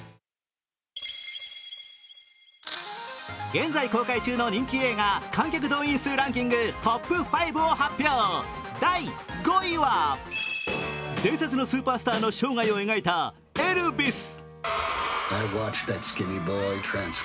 現在公開中の人気映画観客動員数ランキングトップ５を発表、第５位は伝説のスーパースターの生涯を描いた「エルヴィス」。